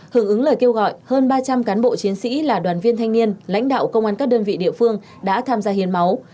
hưởng ứng lời kêu gọi hơn ba trăm linh cán bộ chiến sĩ là đoàn viên thanh niên lãnh đạo công an các đơn vị địa phương đã tham gia hiến máu